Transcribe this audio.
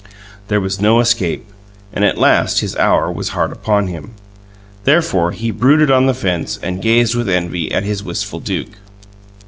There was no escape; and at last his hour was hard upon him. Therefore he brooded on the fence and gazed with envy at his wistful Duke.